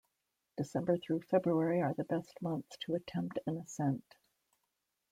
December through February are the best months to attempt an ascent.